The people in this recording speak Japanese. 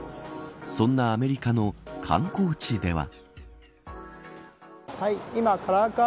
そんなアメリカの観光地では。